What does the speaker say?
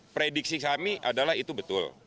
prediksi kami adalah itu betul